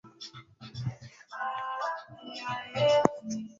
Mawingu iliyokuwa inamilikiwa na Joseph Kusaga na watayarishaji wake walikuwa ni Bon Love